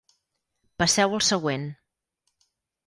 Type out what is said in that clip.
Passeu al següent.